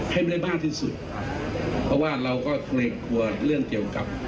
ให้มันได้มากที่สุดเพราะว่าเราก็เลยกลัวเรื่องเกี่ยวกับ